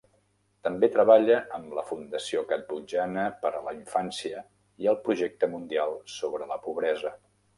També treballa amb la Fundació Cambodjana per a la Infància i el Projecte Mundial sobre la Pobresa.